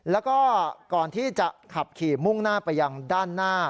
แล้วก็ก่อนที่จะขับขี่มุ่งหน้าไปยังด้านหน้า